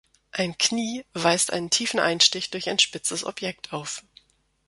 Ein Knie weist einen tiefen Einstich durch ein spitzes Objekt auf.